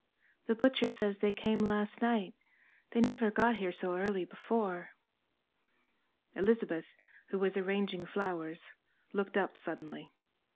"The butcher says they came last night. They never got here so early before." Elizabeth, who was arranging flowers, looked up suddenly.